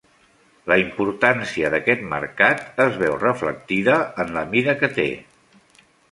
La importància d'aquest mercat es veu reflectida en la mida que té.